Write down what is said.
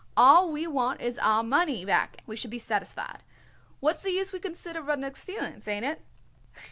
All we want is our money back and we would be satisfied. What is the use we consider Rudnik's feelings. Ain't it?"